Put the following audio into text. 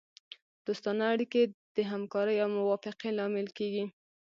دوستانه اړیکې د همکارۍ او موافقې لامل کیږي